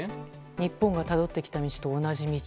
日本がたどってきた道と同じ道。